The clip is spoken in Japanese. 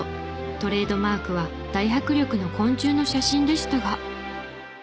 トレードマークは大迫力の昆虫の写真でしたが。